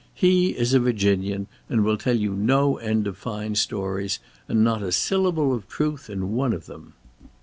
He is a Virginian and will tell you no end of fine stories and not a syllable of truth in one of them.